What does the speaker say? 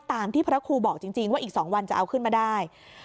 ตามที่พระครูบอกจริงว่าอีก๒วันจะเอาขึ้นมาได้